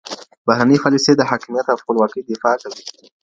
بهرنۍ پالیسي د حاکمیت او خپلواکۍ دفاع کوي.